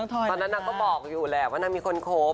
ตอนนั้นนางก็บอกอยู่แหละว่านางมีคนคบ